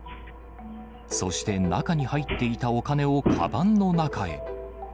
そして中に入っていたお金をかばんの中へ。